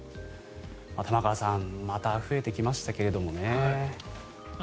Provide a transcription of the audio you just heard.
玉川さんまた増えてきましたけれどもね。